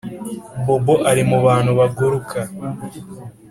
Bobo ari mu bantu baguruka